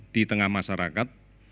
di tengah masyarakat